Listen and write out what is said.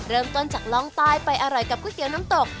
เริ่มต้นจากล่องใต้ไปอร่อยกับก๋วยเตี๋ยวน้ำตก